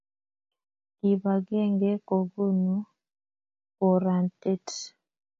Kipakenge kokonu boratet